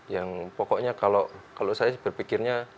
yang pokoknya kalau saya berpikirnya